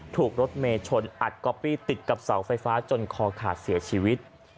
รถเมย์ชนอัดก๊อปปี้ติดกับเสาไฟฟ้าจนคอขาดเสียชีวิต